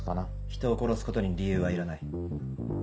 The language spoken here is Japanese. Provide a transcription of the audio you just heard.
人を殺すことに理由はいらない。